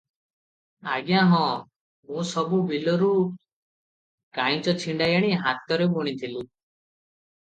ଆଜ୍ଞା ହଁ- ମୁଁ ସବୁ ବିଲରୁ କାଂଇଚ ଛିଣ୍ଡାଇ ଆଣି ହାତରେ ବୁଣିଥିଲି ।